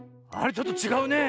ちょっとちがうねえ。